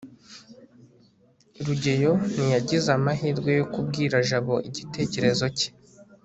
rugeyo ntiyagize amahirwe yo kubwira jabo igitekerezo cye